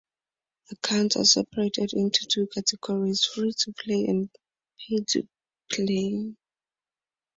Accounts are separated into two categories, Free-to-Play and Pay-to-Play.